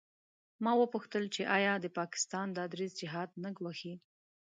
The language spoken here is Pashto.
ما وپوښتل چې آیا د پاکستان دا دریځ جهاد نه ګواښي.